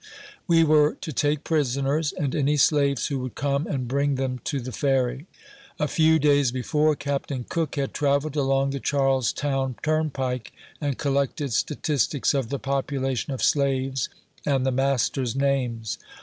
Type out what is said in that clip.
We were to take prisoners, and any slaves who would come, and bring them to the Ferry. A few days before, Capt. Cook had travelled along the Charlestown turnpike, and collected statistics of the popula tion of slaves and the masters' names.